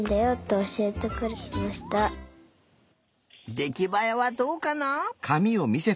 できばえはどうかな？